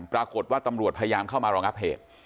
ปรากฏว่าตำรวจพยายามเข้ามารองับเหตุ